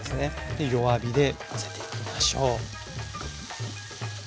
で弱火で混ぜていきましょう。